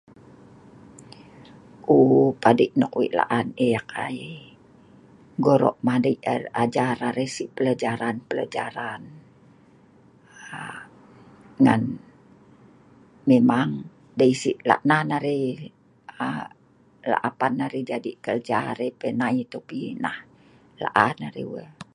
ouu.. padei nok wei laan eek ai, goro madei arai si pelajaran pelajaran aaa ngan memang dei si' lak nan arai ah, lak apan arai jadi kerja arai pi nai pi nah laan arai wae